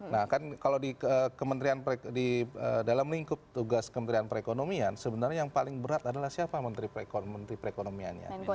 nah kan kalau di kementerian di dalam lingkup tugas kementerian perekonomian sebenarnya yang paling berat adalah siapa menteri perekonomiannya